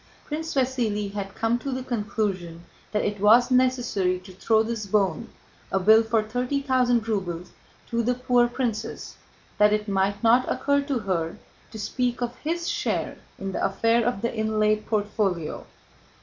Prince Vasíli had come to the conclusion that it was necessary to throw this bone—a bill for thirty thousand rubles—to the poor princess that it might not occur to her to speak of his share in the affair of the inlaid portfolio.